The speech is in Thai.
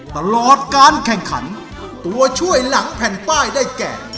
ตลอดการแข่งขันตัวช่วยหลังแผ่นป้ายได้แก่